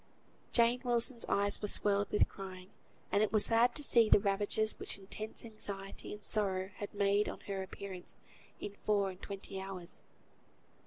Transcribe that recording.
Jane Wilson's eyes were swelled with crying; and it was sad to see the ravages which intense anxiety and sorrow had made on her appearance in four and twenty hours.